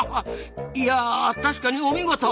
いや確かにお見事！